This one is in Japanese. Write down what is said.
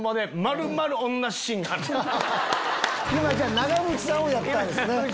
長渕さんをやったんですね。